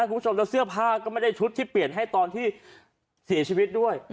คุณผู้ชมแล้วเสื้อผ้าก็ไม่ได้ชุดที่เปลี่ยนให้ตอนที่เสียชีวิตด้วย